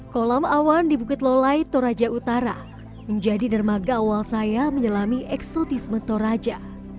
kolam awan di bukit lolai toraja utara menjadi dermaga awal saya menyelami eksotisme toraja